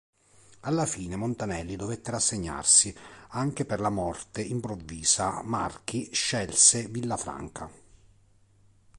Alla fine Montanelli dovette rassegnarsi; anche per la morte improvvisa Marchi "scelse" Villafranca.